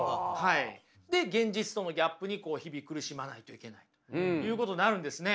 で現実とのギャップに日々苦しまないといけないということになるんですね。